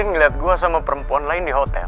andin melihat gua dengan perempuan lain di hotel